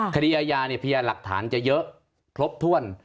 คดีอาญาเนี่ยพยานหลักฐานจะเยอะครบถ้วน